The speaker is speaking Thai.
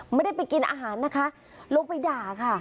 ไม่ได้ไปกินอาหารนะคะลงไปด่าค่ะ